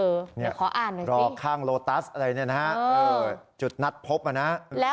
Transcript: รอข้างโลตัสอะไรเนี่ยนะจุดนัดพบมานะ